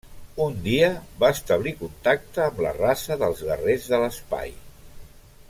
Un dia va establir contacte amb la raça dels Guerrers de l'Espai.